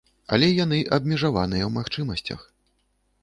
Але яны абмежаваныя ў магчымасцях.